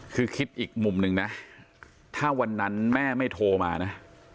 คือคิดอีกมุมหนึ่งนะถ้าวันนั้นแม่ไม่โทรมานะ